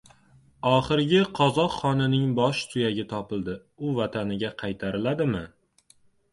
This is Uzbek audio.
Oxirgi qozoq xonining bosh suyagi topildi. U vataniga qaytariladimi?